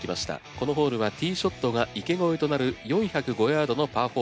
このホールはティーショットが池越えとなる４０５ヤードのパー４。